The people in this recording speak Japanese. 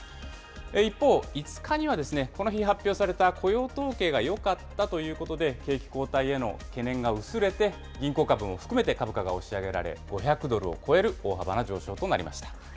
一方、５日にはこの日発表された雇用統計がよかったということで、景気後退への懸念が薄れて、銀行株も含めて株価が押し上げられ、５００ドルを超える大幅な上昇となりました。